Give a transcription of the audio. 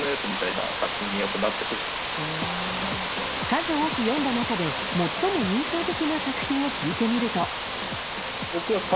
数多く読んだ中で最も印象的な作品を聞いてみると。